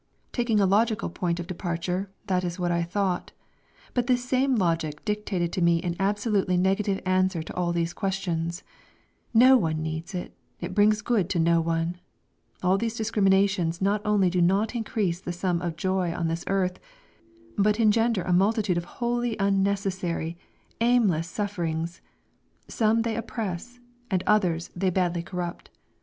Taking a logical point of departure, that is what I thought, but this same logic dictated to me an absolutely negative answer to all these questions: no one needs it, it brings good to no one: all these discriminations not only do not increase the sum of joy on this earth, but engender a multitude of wholly unnecessary, aimless sufferings; some they oppress, and others they badly corrupt.